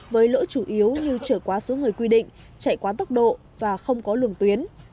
với lỗi chủ yếu như trở quá số người quy định chạy quá tốc độ và không có lường tuyến